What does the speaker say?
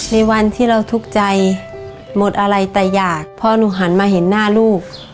ในวันที่เราทุกข์ใจหมดอะไรแต่อยากพอหนูหันมาเห็นหน้าลูก